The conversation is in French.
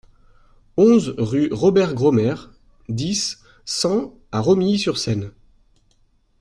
onze rue Robert Graumer, dix, cent à Romilly-sur-Seine